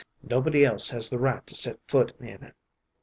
Nobody else has the right to set foot in it.